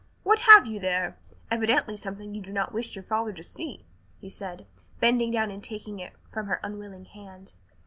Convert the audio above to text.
"What have you there? Evidently something you do not wish your father to see," he said, bending down and taking it from her unwilling hand.